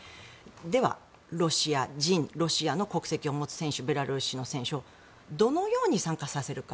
では、ロシア人ロシアの国籍を持つ選手ベラルーシの選手をどのように参加させるか。